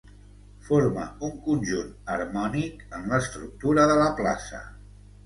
Forma un conjunt harmònic en l'estructura de la plaça.